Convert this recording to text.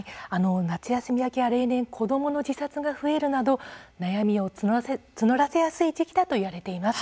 夏休み明けは例年、子どもの自殺が増えるなど悩みを募らせやすい時期だといわれています。